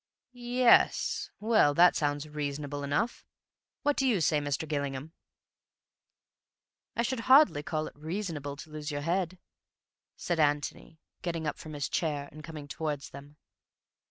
"Y yes. Well, that sounds reasonable enough. What do you say, Mr. Gillingham?" "I should hardly call it 'reasonable' to lose your head," said Antony, getting up from his chair and coming towards them.